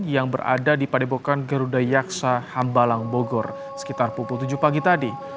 yang berada di padepokan garuda yaksa hambalang bogor sekitar pukul tujuh pagi tadi